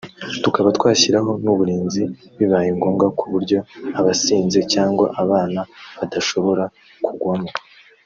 tukaba twashyiraho n’uburinzi bibaye ngombwa ku buryo abasinze cyangwa abana badashobora kugwamo